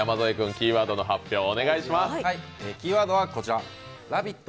キーワードはこちら。